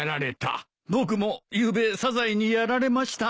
僕もゆうべサザエにやられました。